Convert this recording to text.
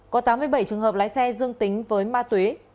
có tám mươi bảy trường hợp lái xe dương tính với ma túy